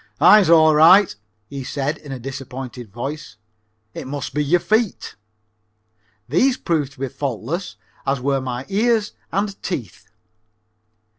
"Eyes all right," he said in a disappointed voice. "It must be your feet." These proved to be faultless, as were my ears and teeth.